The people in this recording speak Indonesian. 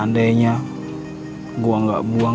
pasti kejadiannya gak bakal kayak gini nih